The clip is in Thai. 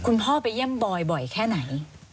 พ่อไปเยี่ยมบอยบ่อยแค่ไหน